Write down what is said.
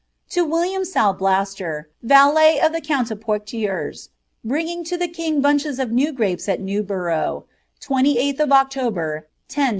To William Sal Blaster, valet of the count of Poictiers, bringing to the king bunches of new crapes at Newbofough, 28th (k October, 10s.